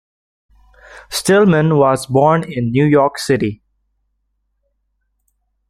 Stillman was born in New York City.